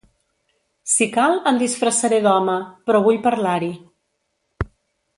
Si cal em disfressaré d'home, però vull parlar-hi.